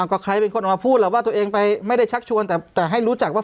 ก็ใครเป็นคนออกมาพูดแหละว่าตัวเองไปไม่ได้ชักชวนแต่ให้รู้จักว่า